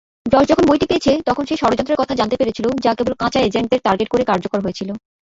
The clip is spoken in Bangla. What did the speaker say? যশ যখন বইটি পেয়েছে, তখন সে ষড়যন্ত্রের কথা জানতে পেরেছিল যা কেবল কাঁচা এজেন্টদের টার্গেট করে কার্যকর হয়েছিল।